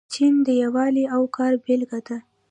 چین د یووالي او کار بیلګه ده.